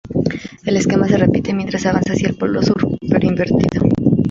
El esquema se repite mientras se avanza hacia el polo sur, pero invertido.